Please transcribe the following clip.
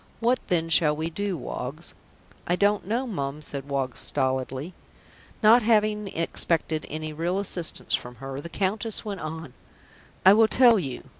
What then shall we do, Woggs?" "I don't know, Mum," said Woggs stolidly. Not having expected any real assistance from her, the Countess went on, "I will tell you.